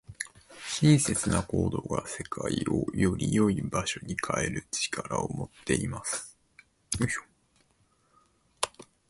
親切な行動が、世界をより良い場所に変える力を持っています。